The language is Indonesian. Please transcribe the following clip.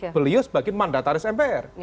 beliau sebagai mandataris mpr